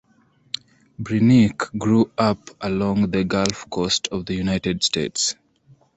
Brennecke grew up along the Gulf Coast of the United States.